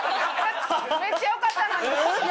めっちゃよかったのに。